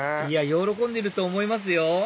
喜んでると思いますよ